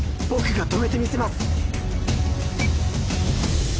僕が止めてみせます。